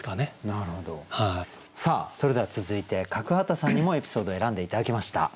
さあそれでは続いて角幡さんにもエピソード選んで頂きました。